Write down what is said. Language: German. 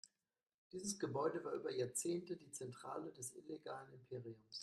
Dieses Gebäude war über Jahrzehnte die Zentrale des illegalen Imperiums.